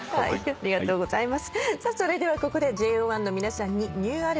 ありがとうございます。